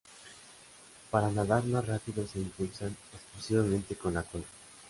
Para nadar más rápido se impulsan exclusivamente con la cola.